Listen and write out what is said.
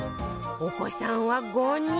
お子さんは５人